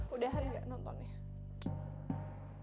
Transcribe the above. udah hari gak nonton ya